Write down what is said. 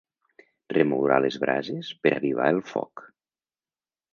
Remourà les brases per avivar el foc.